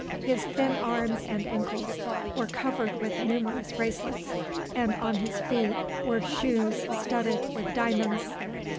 His thin arms and ankles were covered with numerous bracelets and on his feet were shoes studded with diamonds.